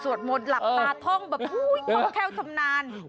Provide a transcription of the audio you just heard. สวดหมดหลับตาท่องแค่วคำนาญ